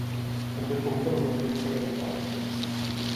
També compta amb una clínica dental.